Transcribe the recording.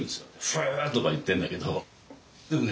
「フ」とか言ってんだけどでもね